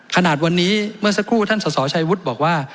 ขนาดวันนี้เมื่อสักครู่ท่านสสชัยวุฒิบอกว่า